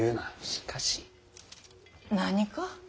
しかし。何か？